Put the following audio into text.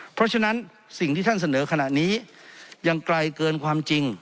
เพราะฉะนั้นสิ่งที่ท่านเสนอขณะนี้ยังไกลเกินความจริง